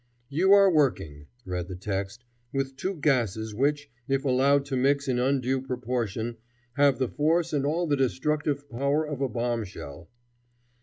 "You are working," read the text, "with two gases which, if allowed to mix in undue proportion, have the force and all the destructive power of a bombshell."